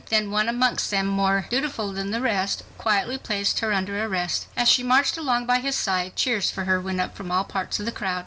Then one amongst them, more "dutiful" than the rest, quietly placed her under arrest. As she marched along by his side, cheers for her went up from all parts of the crowd.